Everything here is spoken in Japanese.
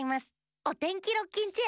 「おてんきロッキンチェア」。